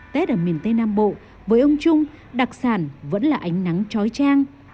tết ở miền tây nam bộ với ông trung đặc sản vẫn là ánh nắng trói trang